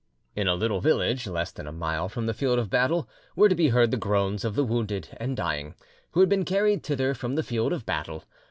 In a little village less than a mile from the field of battle were to be heard the groans of the wounded and dying, who had been carried thither from the field of battle.